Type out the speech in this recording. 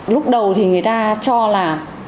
lúc đầu thì người ta cho là